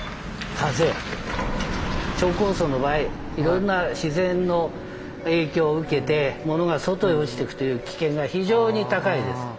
超高層の場合いろんな自然の影響を受けて物が外へ落ちていくという危険が非常に高いです。